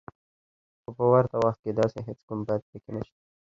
خو په ورته وخت کې داسې هېڅ کوم بد پکې نشته